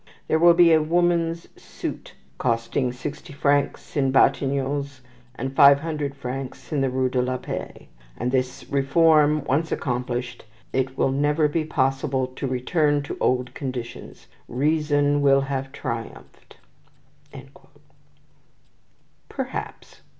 There will be a 'woman's suit,' costing sixty francs at Batignolles, and five hundred francs in the rue de la Paix; and, this reform once accomplished, it will never be possible to return to old conditions. Reason will have triumphed." Perhaps!